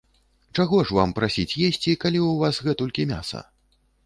Чаго ж вам прасіць есці, калі ў вас гэтулькі мяса.